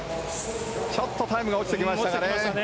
ちょっとタイムが落ちてきましたかね。